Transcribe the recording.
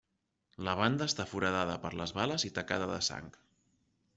La banda està foradada per les bales i tacada de sang.